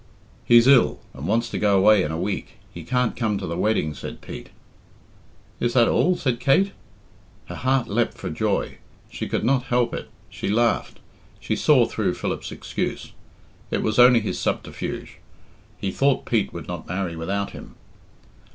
"He's ill, and wants to go away in a week. He can't come to the wedding,'' said Pete. "Is that all?" said Kate. Her heart leapt for joy. She could not help it she laughed. She saw through Philip's excuse. It was only his subterfuge he thought Pete would not marry without him.